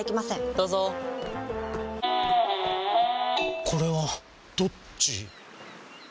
どうぞこれはどっち？